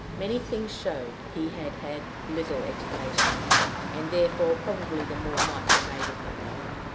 Many things showed that he had had little education, and therefore probably the more might be made of him.